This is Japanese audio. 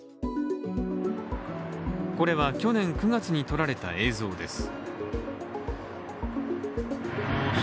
これは、去年９月に撮られた映像です。